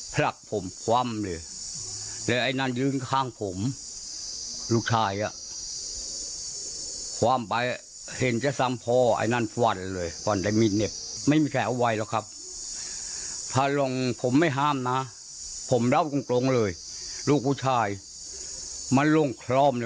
ผมเข้าไปสามแพนยังไงก็ล่ะ